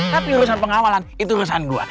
tapi urusan pengawalan itu urusan gue